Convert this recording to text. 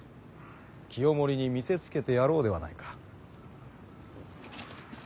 清盛に見せつけてやろうではないか。